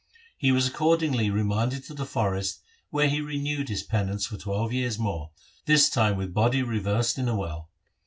He was accordingly remanded to the forest where he renewed his penance for twelve years more, this time with body reversed in a well.